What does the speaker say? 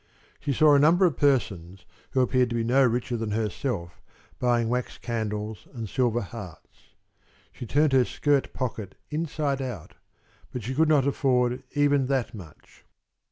She saw a number of persons who appeared to be no richer than herself buying wax candles and silver hearts. She turned her skirt pocket inside out, but she could not afford even that much.